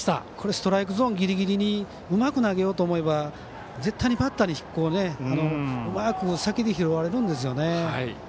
ストライクゾーンぎりぎりうまく投げようと思えば絶対にバッターにうまく先で拾われるんですよね。